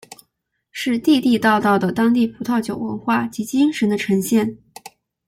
是地地道道的当地葡萄酒文化及精神的呈现。